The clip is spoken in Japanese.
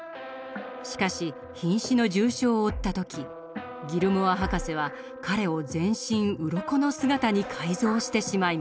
しかし瀕死の重傷を負った時ギルモア博士は彼を全身うろこの姿に改造してしまいます。